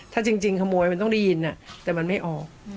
ถ้าจริงขโมยมันต้องได้ยินแต่มันไม่ออก